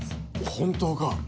本当か。